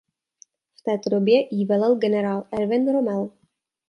V této době jí velel generál Erwin Rommel.